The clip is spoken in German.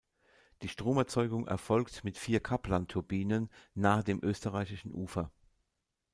Die Stromerzeugung erfolgt mit vier Kaplan-Turbinen nahe dem österreichischen Ufer.